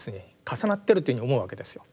重なってるというふうに思うわけですよ。